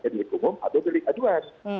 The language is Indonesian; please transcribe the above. delik umum atau delik aduan